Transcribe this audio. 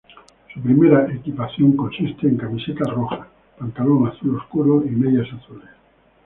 Su primera equipación consiste en camiseta roja, pantalón azul oscuro y medias azules.